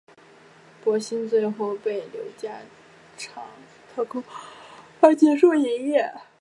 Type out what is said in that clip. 博新最后被刘家昌掏空而结束营业。